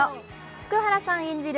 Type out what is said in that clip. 福原さん演じる